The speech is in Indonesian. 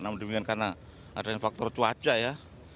namun demikian karena ada faktor cuaca ya